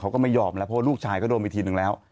เขาก็ไม่ยอมแล้วเพราะว่าลูกชายก็โดนไปทีนึงแล้ว